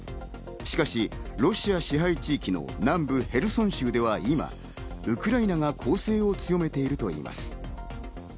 しかし、ロシア支配地域の南部ヘルソン州では今、ウクライナが攻勢を強めているといいます。